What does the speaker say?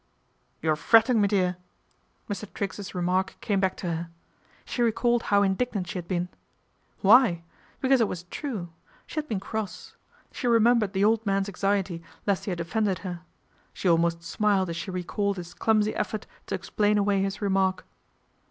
" You're fretting, me dear !" Mr. Triggs's remark came back to her. She recalled how indignant she had been. Why ? Because it was true She had been cross. She remembered the old man's anxiety lest he had offended her. She almost smiled as she recalled his clumsy effort to explain away his remark.